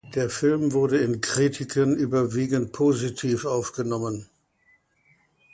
Der Film wurde in Kritiken überwiegend positiv aufgenommen.